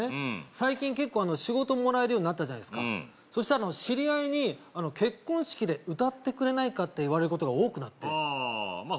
最近結構仕事もらえるようになったじゃないすかうんそしたら知り合いに「結婚式で歌ってくれないか」って言われることが多くなってああ